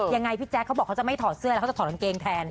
ยังไงพี่แจ๊คเขาบอกเขาจะไม่ถอดเสื้อแล้วเขาจะถอดกางเกงแทน